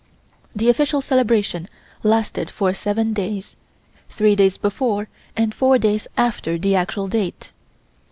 The official celebration lasted for seven days, three days before and four days after the actual date.